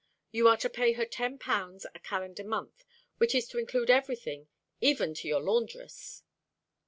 You are to pay her ten pounds a calendar month, which is to include everything, even to your laundress."